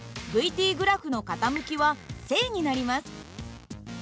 ｔグラフの傾きは正になります。